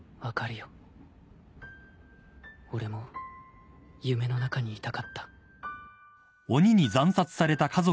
俺も夢の中にいたかった。